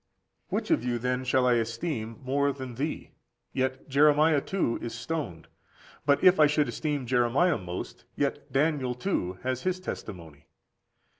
31. Which of you, then, shall I esteem more than thee? Yet Jeremiah, too, is stoned. But if I should esteem Jeremiah most, yet Daniel too has his testimony.